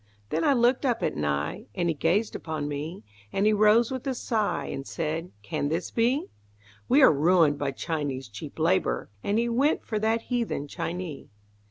Then I looked up at Nye, And he gazed upon me; And he rose with a sigh, And said, "Can this be? We are ruined by Chinese cheap labor;" And he went for that heathen Chinee.